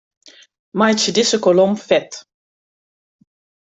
Meitsje dizze kolom fet.